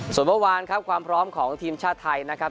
ส่วนเมื่อวานครับความพร้อมของทีมชาติไทยนะครับ